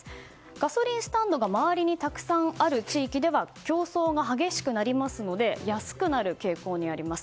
ガソリンスタンドが周りにたくさんある地域では競争が激しくなりますので安くなる傾向にあります。